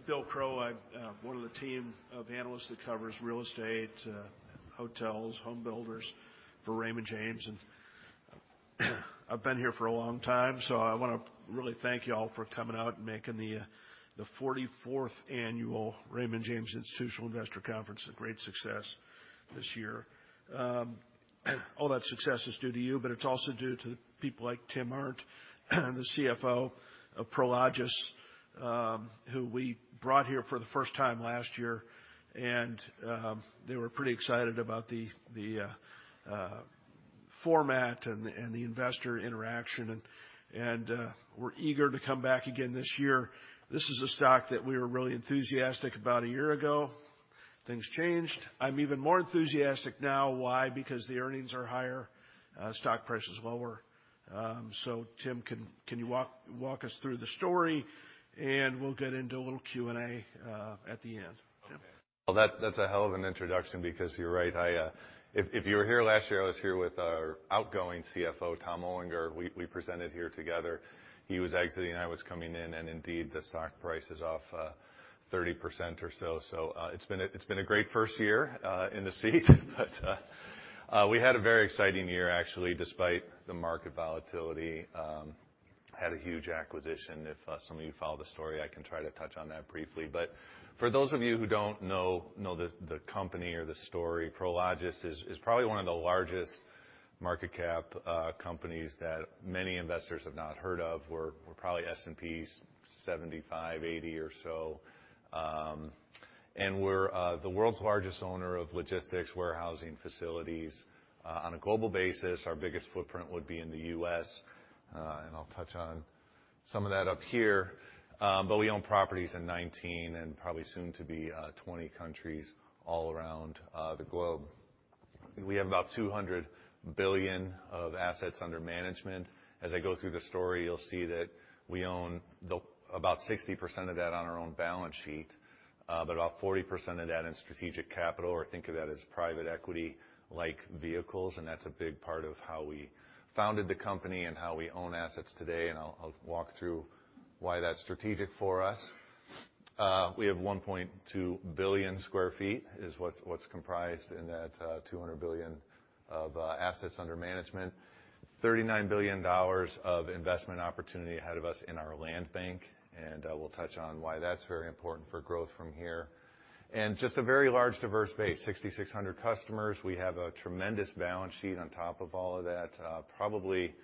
I'm Bill Crow. I'm one of the team of analysts that covers real estate, hotels, home builders for Raymond James. I've been here for a long time, so I wanna really thank y'all for coming out and making the 44th Annual Raymond James Institutional Investors Conference a great success this year. All that success is due to you, but it's also due to people like Tim Arndt, the CFO of Prologis, who we brought here for the first time last year, they were pretty excited about the format and the investor interaction and were eager to come back again this year. This is a stock that we were really enthusiastic about a year ago. Things changed. I'm even more enthusiastic now. Why? Because the earnings are higher, stock price is lower. Tim, can you walk us through the story and we'll get into a little Q&A at the end. Tim. That's a hell of an introduction because you're right. I, if you were here last year, I was here with our outgoing CFO, Tom Olinger. We presented here together. He was exiting, I was coming in, the stock price is off 30% or so. It's been a great first year in the seat. We had a very exciting year actually, despite the market volatility, had a huge acquisition. If some of you follow the story, I can try to touch on that briefly. For those of you who don't know the company or the story, Prologis is probably one of the largest market cap companies that many investors have not heard of. We're probably S&P's 75, 80 or so. We're the world's largest owner of logistics warehousing facilities on a global basis. Our biggest footprint would be in the U.S., and I'll touch on some of that up here. We own properties in 19 and probably soon to be 20 countries all around the globe. We have about $200 billion of assets under management. As I go through the story, you'll see that we own about 60% of that on our own balance sheet, but about 40% of that in strategic capital, or think of that as private equity-like vehicles. That's a big part of how we founded the company and how we own assets today, and I'll walk through why that's strategic for us. We have 1.2 billion sq ft, is what's comprised in that, $200 billion of assets under management. $39 billion of investment opportunity ahead of us in our land bank, we'll touch on why that's very important for growth from here. Just a very large diverse base, 6,600 customers. We have a tremendous balance sheet on top of all of that, probably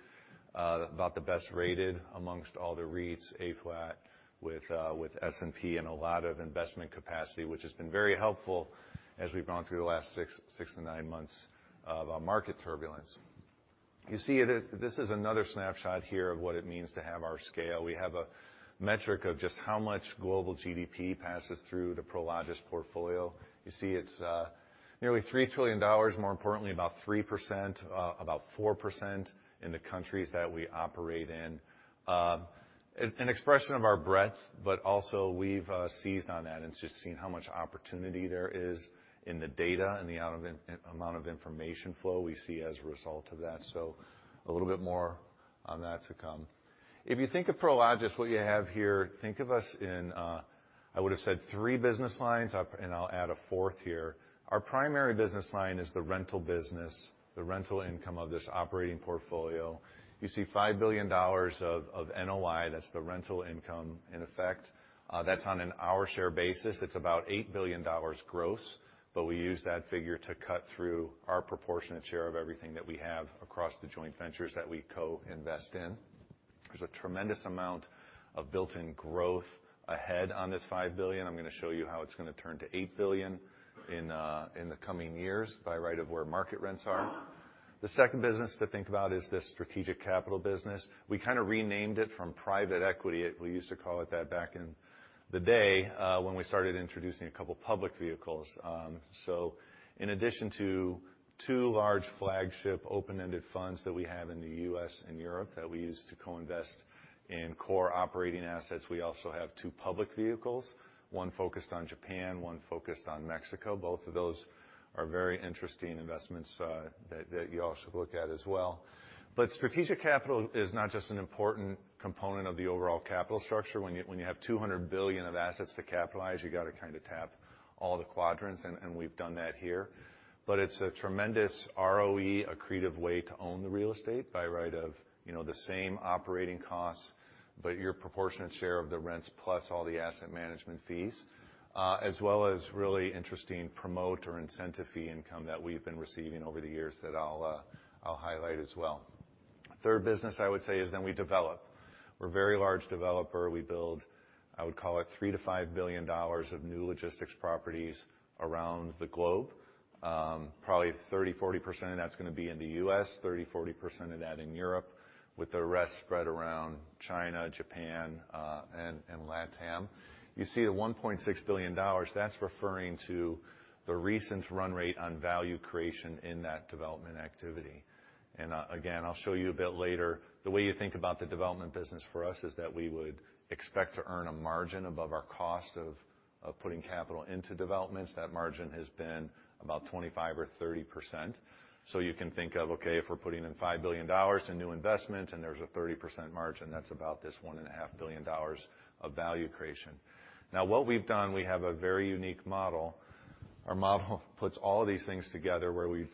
about the best rated amongst all the REITs, A flat with S&P and a lot of investment capacity, which has been very helpful as we've gone through the last six to nine months of market turbulence. You see this is another snapshot here of what it means to have our scale. We have a metric of just how much global GDP passes through the Prologis portfolio. You see, it's nearly $3 trillion, more importantly, about 3%, about 4% in the countries that we operate in. It's an expression of our breadth, but also we've seized on that and just seen how much opportunity there is in the data and the amount of information flow we see as a result of that. A little bit more on that to come. If you think of Prologis, what you have here, think of us in, I would've said three business lines up, and I'll add a fourth here. Our primary business line is the rental business, the rental income of this operating portfolio. You see $5 billion of NOI, that's the rental income in effect. That's on an hour share basis. It's about $8 billion gross. We use that figure to cut through our proportionate share of everything that we have across the joint ventures that we co-invest in. There's a tremendous amount of built-in growth ahead on this $5 billion. I'm gonna show you how it's gonna turn to $8 billion in the coming years by right of where market rents are. The second business to think about is the strategic capital business. We kinda renamed it from private equity. We used to call it that back in the day when we started introducing a couple of public vehicles. In addition to two large flagship open-ended funds that we have in the U.S. and Europe that we use to co-invest in core operating assets, we also have two public vehicles, one focused on Japan, one focused on Mexico. Both of those are very interesting investments, that you all should look at as well. Strategic capital is not just an important component of the overall capital structure. When you, when you have $200 billion of assets to capitalize, you gotta kinda tap all the quadrants, and we've done that here. It's a tremendous ROE accretive way to own the real estate by right of, you know, the same operating costs, but your proportionate share of the rents plus all the asset management fees, as well as really interesting promote or incentive fee income that we've been receiving over the years that I'll highlight as well. Third business, I would say, is we develop. We're a very large developer. We build, I would call it $3 billion-$5 billion of new logistics properties around the globe. Probably 30%-40% of that's gonna be in the US, 30%-40% of that in Europe, with the rest spread around China, Japan, and LatAm. You see the $1.6 billion, that's referring to the recent run rate on value creation in that development activity. Again, I'll show you a bit later. The way you think about the development business for us is that we would expect to earn a margin above our cost of putting capital into developments. That margin has been about 25% or 30%. You can think of, okay, if we're putting in $5 billion in new investment, and there's a 30% margin, that's about this $1.5 billion of value creation. What we've done, we have a very unique model. Our model puts all of these things together, where we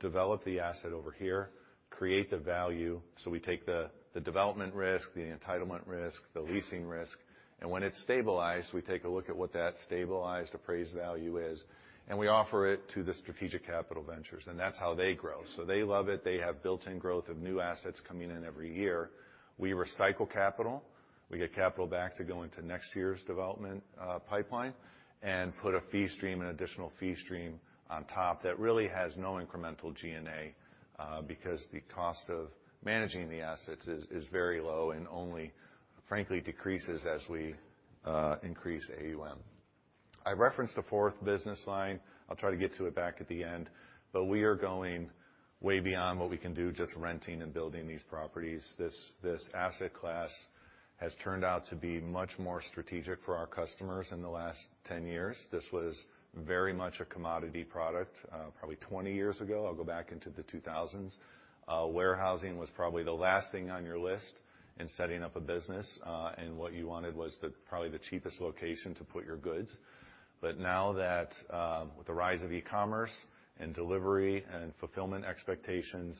develop the asset over here, create the value. We take the development risk, the entitlement risk, the leasing risk, and when it's stabilized, we take a look at what that stabilized appraised value is, and we offer it to the strategic capital ventures, and that's how they grow. They love it. They have built-in growth of new assets coming in every year. We recycle capital. We get capital back to go into next year's development pipeline and put a fee stream, an additional fee stream on top that really has no incremental G&A, because the cost of managing the assets is very low and only, frankly, decreases as we increase AUM. I referenced the fourth business line. I'll try to get to it back at the end. We are going way beyond what we can do just renting and building these properties. This asset class has turned out to be much more strategic for our customers in the last 10 years. This was very much a commodity product, probably 20 years ago. I'll go back into the 2000s. Warehousing was probably the last thing on your list in setting up a business. What you wanted was probably the cheapest location to put your goods. Now that with the rise of e-commerce and delivery and fulfillment expectations,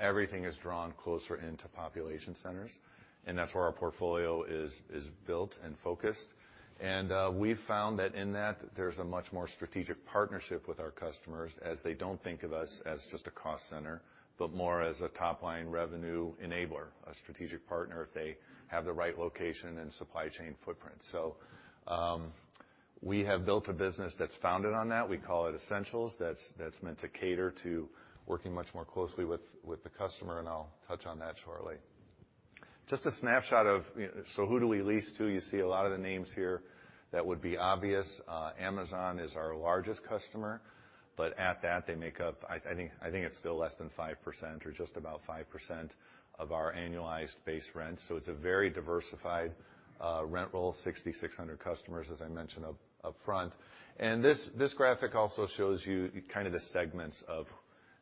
everything is drawn closer into population centers, and that's where our portfolio is built and focused. We've found that in that, there's a much more strategic partnership with our customers as they don't think of us as just a cost center, but more as a top-line revenue enabler, a strategic partner if they have the right location and supply chain footprint. We have built a business that's founded on that. We call it Essentials. That's meant to cater to working much more closely with the customer, and I'll touch on that shortly. Just a snapshot of, you know, who do we lease to? You see a lot of the names here that would be obvious. Amazon is our largest customer, but at that, they make up I think it's still less than 5% or just about 5% of our annualized base rent. It's a very diversified rent roll, 6,600 customers, as I mentioned up front. This graphic also shows you kind of the segments of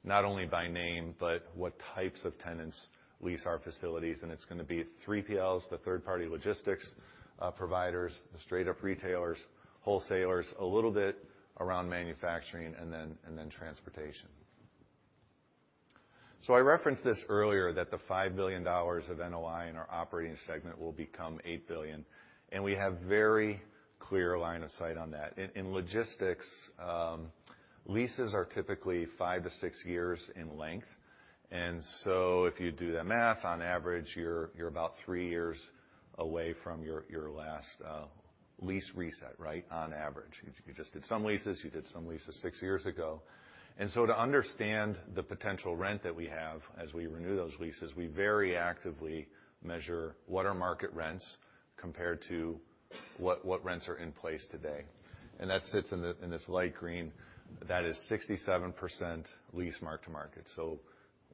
not only by name but what types of tenants lease our facilities, and it's gonna be 3PLs, the third-party logistics providers, the straight-up retailers, wholesalers, a little bit around manufacturing, and then transportation. I referenced this earlier, that the $5 billion of NOI in our operating segment will become $8 billion, and we have very clear line of sight on that. In logistics, leases are typically five to six years in length. If you do the math, on average, you're about three years away from your last lease reset, right, on average. You just did some leases, you did some leases six years ago. To understand the potential rent that we have as we renew those leases, we very actively measure what are market rents compared to what rents are in place today. That sits in the, in this light green. That is 67% lease mark-to-market.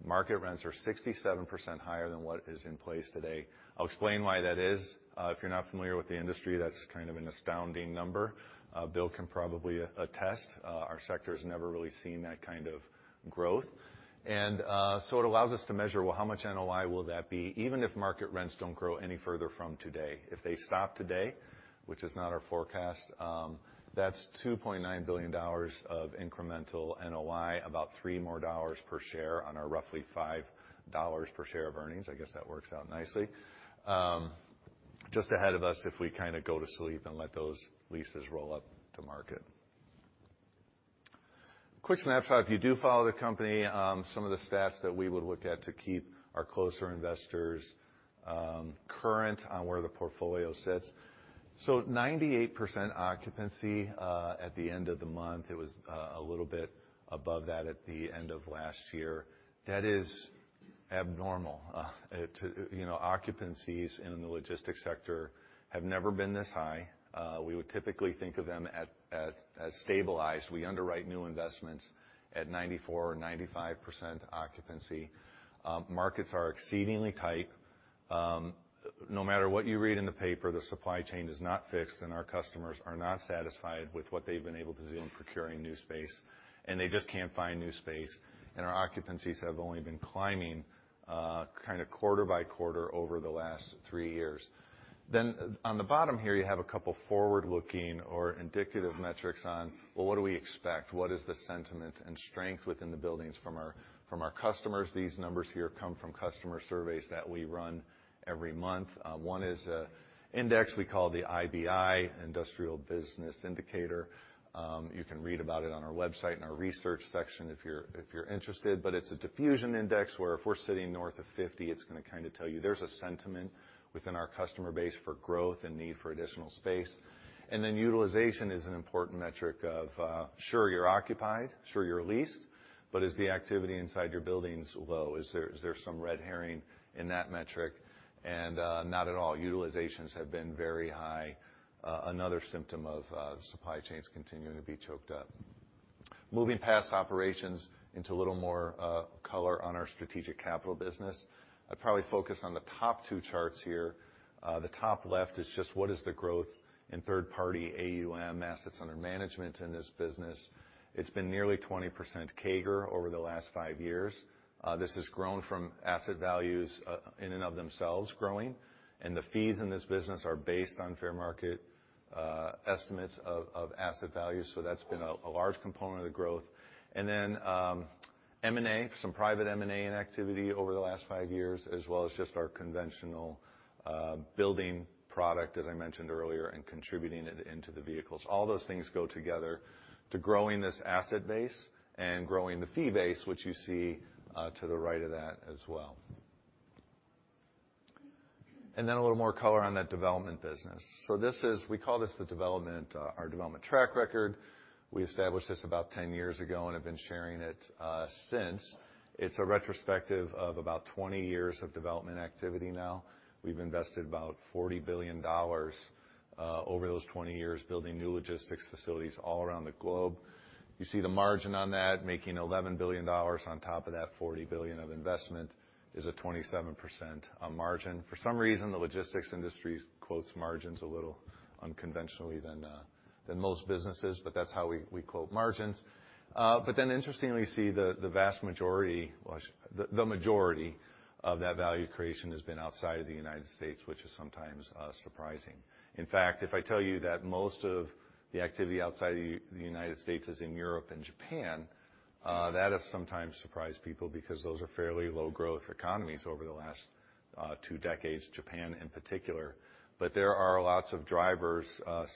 Market rents are 67% higher than what is in place today. I'll explain why that is. If you're not familiar with the industry, that's kind of an astounding number. Bill can probably attest, our sector's never really seen that kind of growth. It allows us to measure, well, how much NOI will that be even if market rents don't grow any further from today? If they stop today, which is not our forecast, that's $2.9 billion of incremental NOI, about $3 more per share on our roughly $5 per share of earnings, I guess that works out nicely, just ahead of us if we kind of go to sleep and let those leases roll up to market. Quick snapshot. If you do follow the company, some of the stats that we would look at to keep our closer investors current on where the portfolio sits. 98% occupancy, at the end of the month. It was a little bit above that at the end of last year. That is abnormal. It, you know, occupancies in the logistics sector have never been this high. We would typically think of them at stabilized. We underwrite new investments at 94% or 95% occupancy. Markets are exceedingly tight. No matter what you read in the paper, the supply chain is not fixed, and our customers are not satisfied with what they've been able to do in procuring new space, and they just can't find new space. Our occupancies have only been climbing, kind of quarter by quarter over the last three years. On the bottom here, you have a couple forward-looking or indicative metrics on, well, what do we expect? What is the sentiment and strength within the buildings from our, from our customers? These numbers here come from customer surveys that we run every month. One is a index we call the IBI, Industrial Business Indicator. You can read about it on our website in our research section if you're interested. It's a diffusion index where if we're sitting north of 50, it's going to kind of tell you there's a sentiment within our customer base for growth and need for additional space. Utilization is an important metric of, sure, you're occupied, sure, you're leased, but is the activity inside your buildings low? Is there some red herring in that metric? Not at all. Utilizations have been very high, another symptom of supply chains continuing to be choked up. Moving past operations into a little more color on our strategic capital business. I'd probably focus on the top two charts here. The top left is just what is the growth in third-party AUM, assets under management, in this business. It's been nearly 20% CAGR over the last five years. This has grown from asset values, in and of themselves growing, and the fees in this business are based on fair market estimates of asset value. That's been a large component of the growth. M&A, some private M&A activity over the last five years, as well as just our conventional building product, as I mentioned earlier, and contributing it into the vehicles. All those things go together to growing this asset base and growing the fee base, which you see to the right of that as well. A little more color on that development business. This is we call this the development, our development track record. We established this about 10 years ago and have been sharing it since. It's a retrospective of about 20 years of development activity now. We've invested about $40 billion over those 20 years building new logistics facilities all around the globe. You see the margin on that. Making $11 billion on top of that $40 billion of investment is a 27% margin. For some reason, the logistics industry quotes margins a little unconventionally than most businesses, but that's how we quote margins. Interestingly, you see the vast majority, well, the majority of that value creation has been outside of the United States, which is sometimes surprising. In fact, if I tell you that most of the activity outside of the United States is in Europe and Japan, that has sometimes surprised people because those are fairly low growth economies over the last two decades, Japan in particular. There are lots of drivers,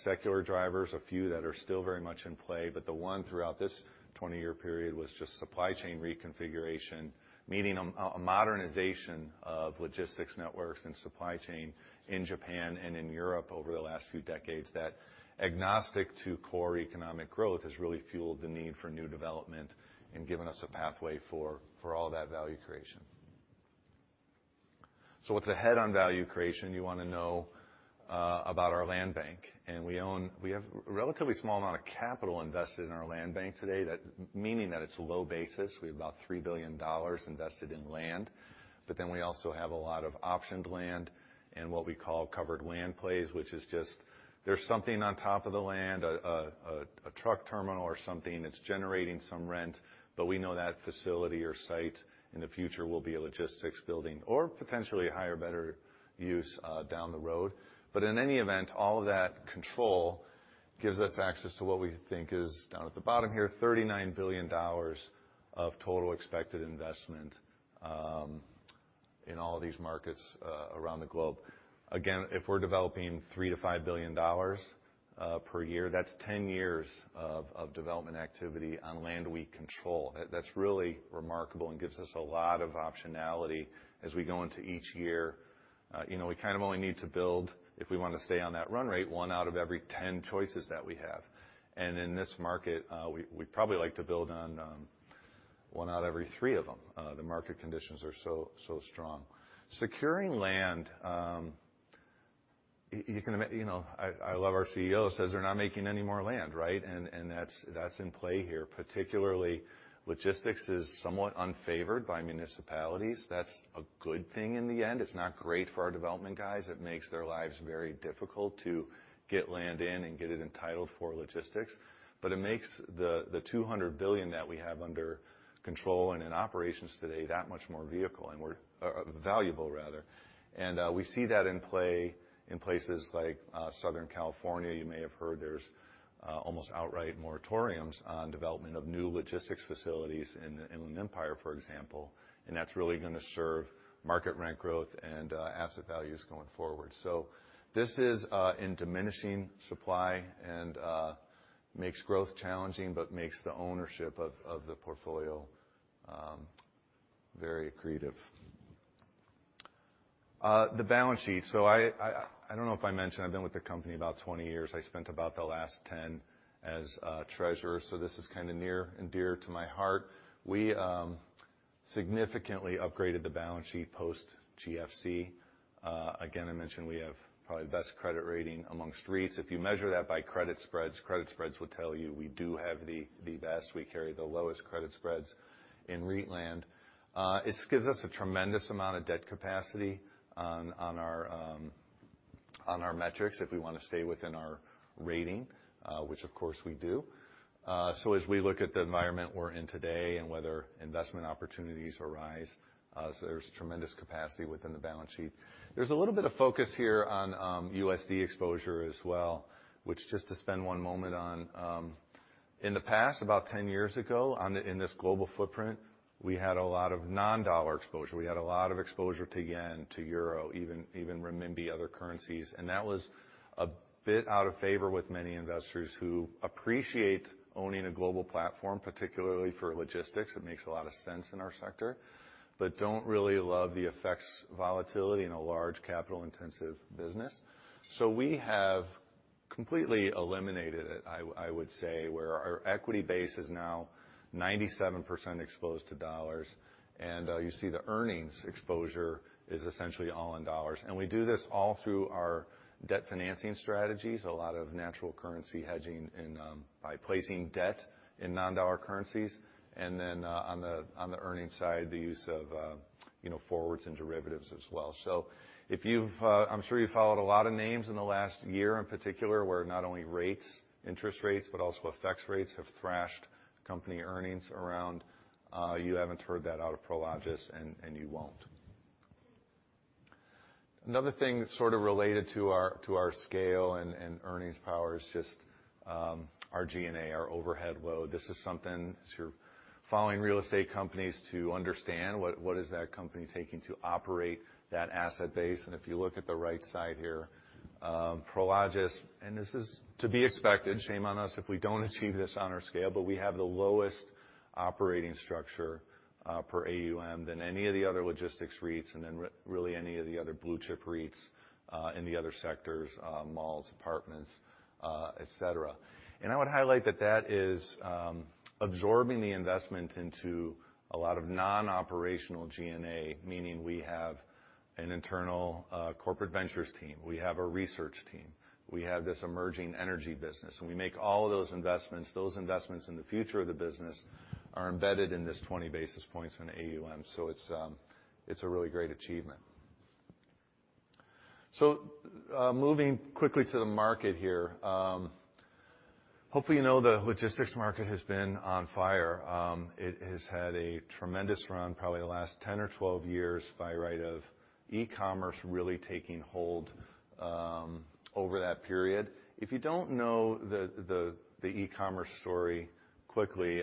secular drivers, a few that are still very much in play. The one throughout this 20-year period was just supply chain reconfiguration, meaning a modernization of logistics networks and supply chain in Japan and in Europe over the last few decades. That agnostic to core economic growth has really fueled the need for new development and given us a pathway for all that value creation. What's ahead on value creation? You wanna know about our land bank, and we have a relatively small amount of capital invested in our land bank today. That meaning that it's low basis. We have about $3 billion invested in land. We also have a lot of optioned land and what we call covered land plays, which is just there's something on top of the land, a truck terminal or something that's generating some rent, but we know that facility or site in the future will be a logistics building or potentially a higher, better use down the road. In any event, all of that control gives us access to what we think is, down at the bottom here, $39 billion of total expected investment in all of these markets around the globe. Again, if we're developing $3 billion-$5 billion per year, that's 10 years of development activity on land we control. That's really remarkable and gives us a lot of optionality as we go into each year. You know, we kind of only need to build, if we want to stay on that run rate, one out of every 10 choices that we have. In this market, we'd probably like to build on one out every three of them. The market conditions are so strong. Securing land, you know, I love our CEO, says they're not making any more land, right? That's in play here. Particularly logistics is somewhat unfavored by municipalities. That's a good thing in the end. It's not great for our development guys. It makes their lives very difficult to get land in and get it entitled for logistics. It makes the $200 billion that we have under control and in operations today that much more vehicle, and we're valuable rather. We see that in play in places like Southern California. You may have heard there's almost outright moratoriums on development of new logistics facilities in the Inland Empire, for example. That's really gonna serve market rent growth and asset values going forward. This is in diminishing supply and makes growth challenging but makes the ownership of the portfolio very accretive. The balance sheet. I don't know if I mentioned I've been with the company about 20 years. I spent about the last 10 as treasurer, so this is kind of near and dear to my heart. We significantly upgraded the balance sheet post GFC. Again, I mentioned we have probably the best credit rating amongst REITs. If you measure that by credit spreads, credit spreads would tell you we do have the best. We carry the lowest credit spreads in REIT land. This gives us a tremendous amount of debt capacity on our metrics if we want to stay within our rating, which of course we do. As we look at the environment we're in today and whether investment opportunities arise, there's tremendous capacity within the balance sheet. There's a little bit of focus here on USD exposure as well, which just to spend one moment on, in the past, about 10 years ago, in this global footprint, we had a lot of non-dollar exposure. We had a lot of exposure to yen, to euro, even renminbi other currencies. That was a bit out of favor with many investors who appreciate owning a global platform, particularly for logistics. It makes a lot of sense in our sector. Don't really love the effects volatility in a large capital intensive business. We have completely eliminated it, I would say, where our equity base is now 97% exposed to dollars. You see the earnings exposure is essentially all in dollars. We do this all through our debt financing strategies, a lot of natural currency hedging and by placing debt in non-dollar currencies. Then on the earnings side, the use of, you know, forwards and derivatives as well. If you've...I'm sure you followed a lot of names in the last year, in particular, where not only rates, interest rates, but also FX rates have thrashed company earnings around, you haven't heard that out of Prologis and you won't. Another thing that's sort of related to our, to our scale and earnings power is just our G&A, our overhead load. This is something, as you're following real estate companies to understand what is that company taking to operate that asset base. If you look at the right side here, Prologis, and this is to be expected, shame on us if we don't achieve this on our scale, but we have the lowest operating structure per AUM than any of the other logistics REITs, really any of the other blue-chip REITs in the other sectors, malls, apartments, et cetera. I would highlight that that is absorbing the investment into a lot of non-operational G&A, meaning we have an internal corporate ventures team. We have a research team. We have this emerging energy business, and we make all of those investments. Those investments in the future of the business are embedded in this 20 basis points on AUM. It's a really great achievement. Moving quickly to the market here. Hopefully, you know the logistics market has been on fire. It has had a tremendous run probably the last 10 or 12 years by right of e-commerce really taking hold over that period. If you don't know the e-commerce story quickly,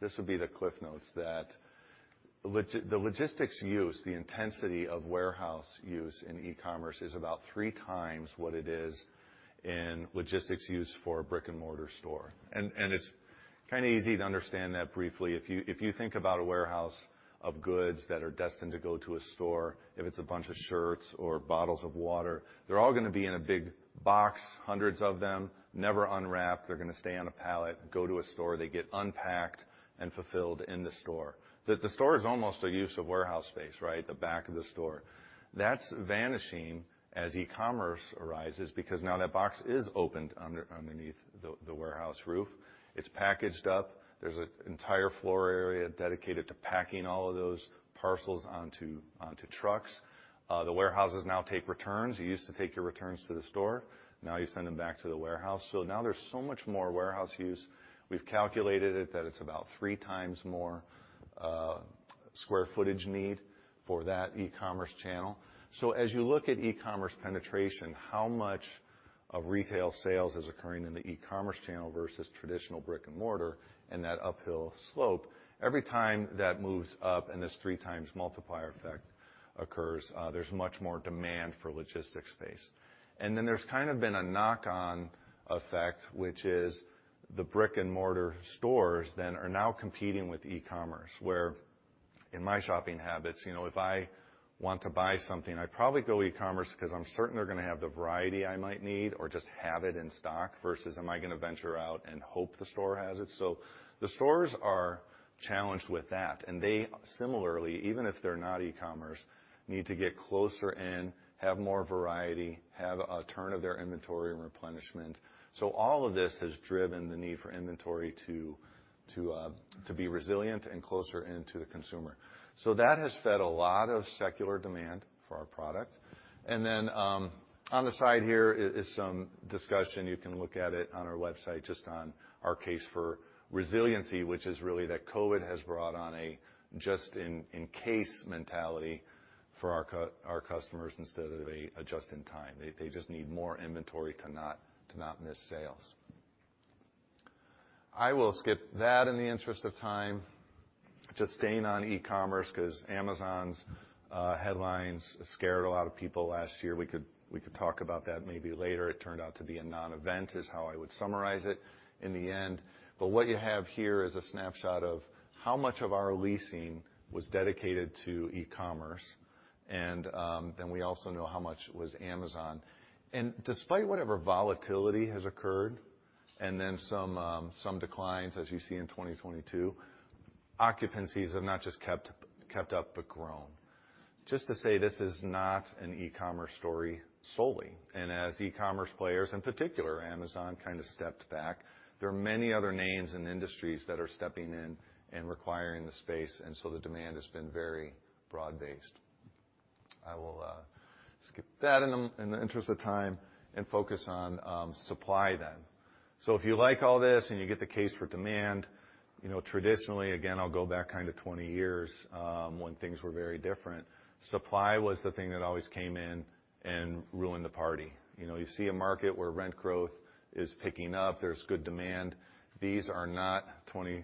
this would be the cliff notes that the logistics use, the intensity of warehouse use in e-commerce is about three times what it is in logistics use for a brick-and-mortar store. It's kind of easy to understand that briefly. If you think about a warehouse of goods that are destined to go to a store, if it's a bunch of shirts or bottles of water, they're all gonna be in a big box, hundreds of them, never unwrapped. They're gonna stay on a pallet, go to a store, they get unpacked and fulfilled in the store. The store is almost a use of warehouse space, right? The back of the store. That's vanishing as e-commerce arises because now that box is opened underneath the warehouse roof. It's packaged up. There's an entire floor area dedicated to packing all of those parcels onto trucks. The warehouses now take returns. You used to take your returns to the store. Now you send them back to the warehouse. Now there's so much more warehouse use. We've calculated it, that it's about three times more square footage need for that e-commerce channel. As you look at e-commerce penetration, how much of retail sales is occurring in the e-commerce channel versus traditional brick and mortar and that uphill slope. Every time that moves up and this three times multiplier effect occurs, there's much more demand for logistics space. There's kind of been a knock-on effect, which is the brick-and-mortar stores then are now competing with e-commerce, where in my shopping habits, you know, if I want to buy something, I probably go e-commerce because I'm certain they're gonna have the variety I might need or just have it in stock versus am I gonna venture out and hope the store has it. The stores are challenged with that, and they similarly, even if they're not e-commerce, need to get closer in, have more variety, have a turn of their inventory and replenishment. All of this has driven the need for inventory to be resilient and closer into the consumer. On the side here is some discussion. You can look at it on our website, just on our case for resiliency, which is really that COVID has brought on a just in case mentality for our customers instead of a just in time. They just need more inventory to not miss sales. I will skip that in the interest of time. Just staying on e-commerce because Amazon's headlines scared a lot of people last year. We could talk about that maybe later. It turned out to be a non-event, is how I would summarize it in the end. What you have here is a snapshot of how much of our leasing was dedicated to e-commerce, and then we also know how much was Amazon. Despite whatever volatility has occurred and then some declines, as you see in 2022, occupancies have not just kept up, but grown. Just to say this is not an e-commerce story solely. As e-commerce players, in particular Amazon, kind of stepped back, there are many other names and industries that are stepping in and requiring the space, and so the demand has been very broad-based. I will skip that in the interest of time and focus on supply then. If you like all this and you get the case for demand, you know, traditionally, again, I'll go back kind of 20 years, when things were very different, supply was the thing that always came in and ruined the party. You know, you see a market where rent growth is picking up. There's good demand. These are not 20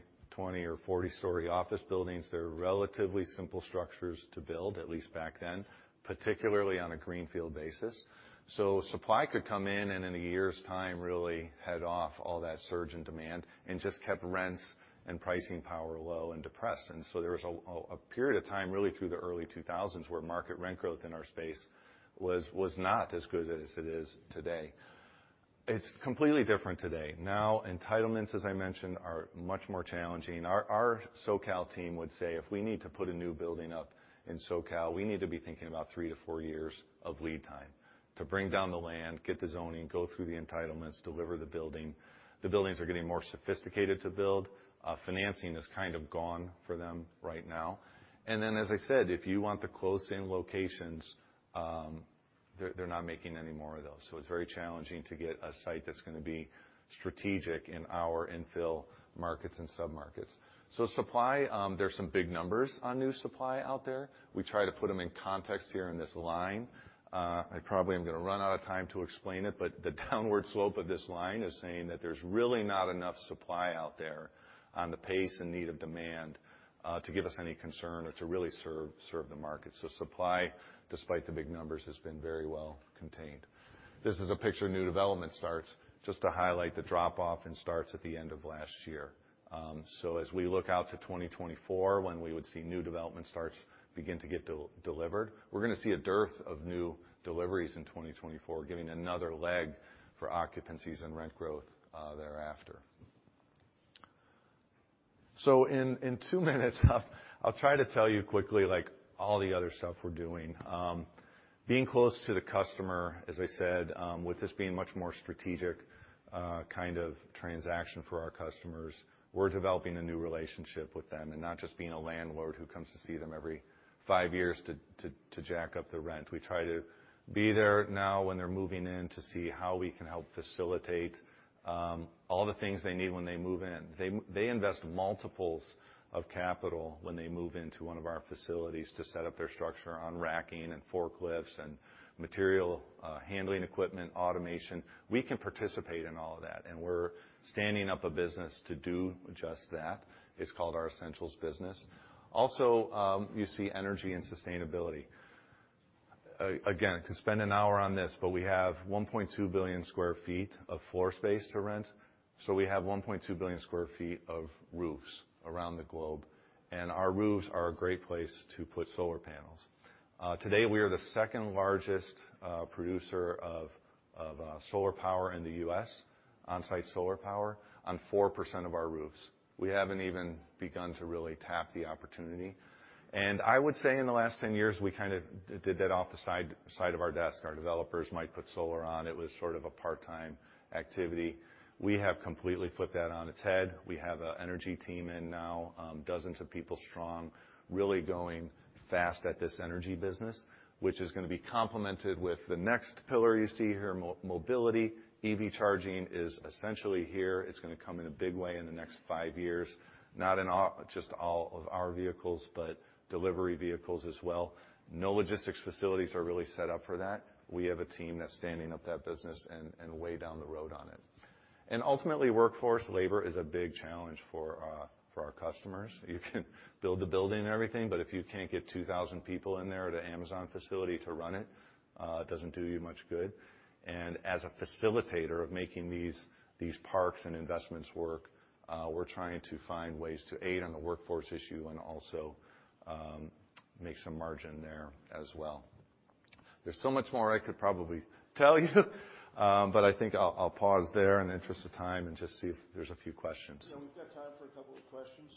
or 40-story office buildings. They're relatively simple structures to build, at least back then, particularly on a greenfield basis. Supply could come in and in a year's time, really head off all that surge in demand and just kept rents and pricing power low and depressed. There was a period of time really through the early 2000s where market rent growth in our space was not as good as it is today. It's completely different today. Entitlements, as I mentioned, are much more challenging. Our SoCal team would say if we need to put a new building up in SoCal, we need to be thinking about three to four years of lead time to bring down the land, get the zoning, go through the entitlements, deliver the building. The buildings are getting more sophisticated to build. Financing is kind of gone for them right now. As I said, if you want the close-in locations, they're not making any more of those. It's very challenging to get a site that's gonna be strategic in our infill markets and submarkets. Supply, there's some big numbers on new supply out there. We try to put them in context here in this line. I probably am gonna run out of time to explain it, but the downward slope of this line is saying that there's really not enough supply out there on the pace and need of demand to give us any concern or to really serve the market. Supply, despite the big numbers, has been very well contained. This is a picture of new development starts, just to highlight the drop-off in starts at the end of last year. As we look out to 2024 when we would see new development starts begin to get de-delivered, we're gonna see a dearth of new deliveries in 2024, giving another leg for occupancies and rent growth thereafter. In two minutes I'll try to tell you quickly, like, all the other stuff we're doing. Being close to the customer, as I said, with this being much more strategic kind of transaction for our customers, we're developing a new relationship with them and not just being a landlord who comes to see them every five years to jack up the rent. We try to be there now when they're moving in to see how we can help facilitate all the things they need when they move in. They invest multiples of capital when they move into one of our facilities to set up their structure on racking and forklifts and material handling equipment, automation. We can participate in all of that. We're standing up a business to do just that. It's called our Essentials business. You see energy and sustainability. Again, I could spend an hour on this. We have 1.2 billion sq ft of floor space to rent. We have 1.2 billion sq ft of roofs around the globe. Our roofs are a great place to put solar panels. Today, we are the second-largest producer of solar power in the U.S., on-site solar power, on 4% of our roofs. We haven't even begun to really tap the opportunity. I would say in the last 10 years, we kind of did that off the side of our desk. Our developers might put solar on. It was sort of a part-time activity. We have completely flipped that on its head. We have a energy team in now, dozens of people strong, really going fast at this energy business, which is gonna be complemented with the next pillar you see here, mobility. EV charging is essentially here. It's gonna come in a big way in the next five years, not in just all of our vehicles, but delivery vehicles as well. No logistics facilities are really set up for that. We have a team that's standing up that business and way down the road on it. Ultimately, workforce labor is a big challenge for our customers. You can build the building and everything, but if you can't get 2,000 people in there at an Amazon facility to run it doesn't do you much good. As a facilitator of making these parks and investments work, we're trying to find ways to aid on the workforce issue and also make some margin there as well. There's so much more I could probably tell you, but I think I'll pause there in the interest of time and just see if there's a few questions. We've got time for couple of questions.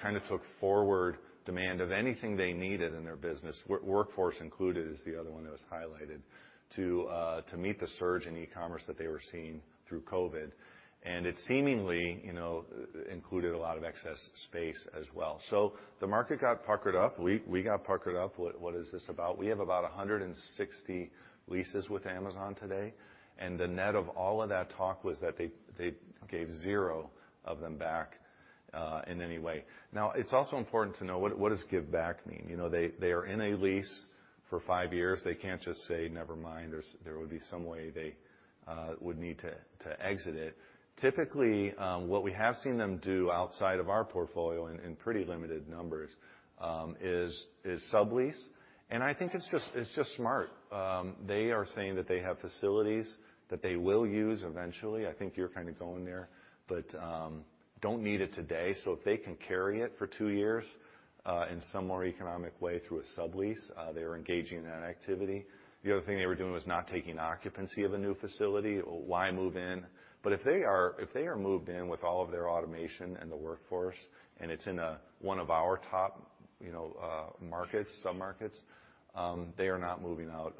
kind of took forward demand of anything they needed in their business, workforce included is the other one that was highlighted, to meet the surge in e-commerce that they were seeing through COVID. It seemingly, you know, included a lot of excess space as well. The market got puckered up. We got puckered up. What is this about? We have about 160 leases with Amazon today. The net of all of that talk was that they gave zero of them back in any way. It's also important to know what does give back mean? You know, they are in a lease for five years. They can't just say never mind. There would be some way they would need to exit it. Typically, what we have seen them do outside of our portfolio in pretty limited numbers is sublease. I think it's just smart. They are saying that they have facilities that they will use eventually, I think you're kind of going there, but don't need it today. If they can carry it for two years, in some more economic way through a sublease, they are engaging in that activity. The other thing they were doing was not taking occupancy of a new facility. Why move in? If they are moved in with all of their automation and the workforce and it's in one of our top, you know, markets, submarkets, they are not moving out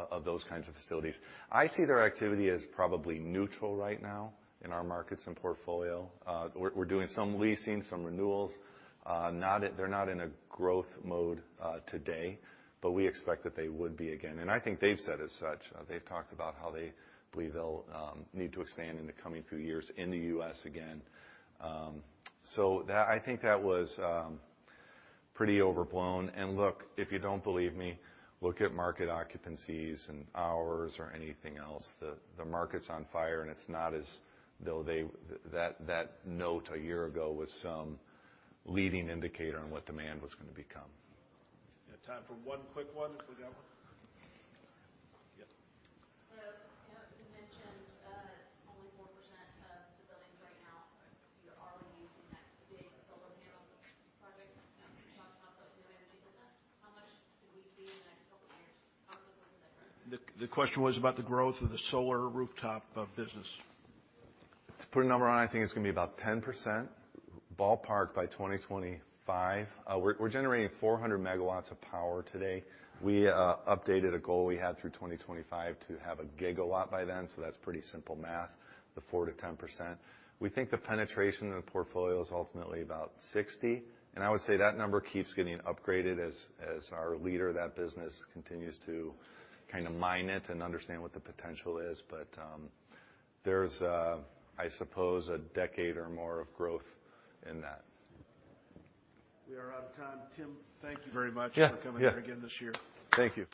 of those kinds of facilities. I see their activity as probably neutral right now in our markets and portfolio. We're doing some leasing, some renewals. They're not in a growth mode today, but we expect that they would be again. I think they've said as such. They've talked about how they believe they'll need to expand in the coming few years in the U.S. again. I think that was pretty overblown. Look, if you don't believe me, look at market occupancies and hours or anything else. The market's on fire, and it's not as though that note a year ago was some leading indicator on what demand was gonna become. We have time for one quick one. We got one? Yeah. You know, you mentioned only 4% of the buildings right now are, you know, already using that big solar panel project. You know, can you talk about the new energy business, how much could we see in the next couple years out of the? The question was about the growth of the solar rooftop business. To put a number on it, I think it's gonna be about 10%, ballpark, by 2025. We're generating 400 MW of power today. We updated a goal we had through 2025 to have a gigawatt by then, so that's pretty simple math, the 4%-10%. We think the penetration in the portfolio is ultimately about 60, and I would say that number keeps getting upgraded as our leader of that business continues to kinda mine it and understand what the potential is. There's, I suppose, a decade or more of growth in that. We are out of time. Tim, thank you very much. Yeah, yeah. for coming here again this year. Thank you.